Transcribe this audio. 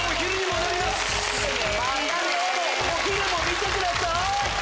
お昼も見てください！